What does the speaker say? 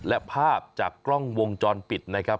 และภาพจากกล้องวงจรปิดนะครับ